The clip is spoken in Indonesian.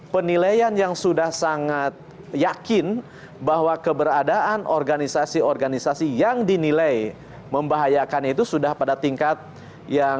penilaian yang sudah sangat yakin bahwa keberadaan organisasi organisasi yang dinilai membahayakan itu sudah pada tingkat yang